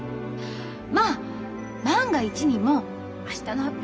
まあ万が一にも明日の発表